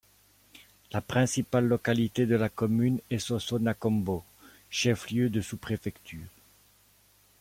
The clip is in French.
La principale localité de la commune est Sosso-Nakombo, chef-lieu de sous-préfecture.